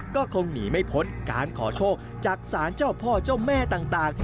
ก็คงหนีไม่พ้นการขอโชคจากศาลเจ้าพ่อเจ้าแม่ต่าง